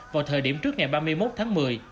vào thời điểm trước ngày ba mươi một tháng một mươi